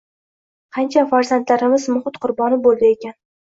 Qancha farzandlarimiz muhit qurboni boʻldi ekan?